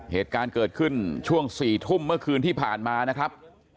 เหตุการณ์เกิดขึ้นช่วง๔ทุ่มเมื่อคืนที่ผ่านมานะครับ